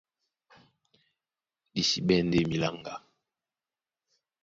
Di sí ɓɛ̂n ndé miláŋgá,